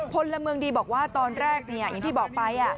พลเมืองดีบอกว่าตอนแรกอย่างที่บอกไป